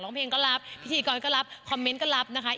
เพลงก็รับพิธีกรก็รับคอมเมนต์ก็รับนะคะ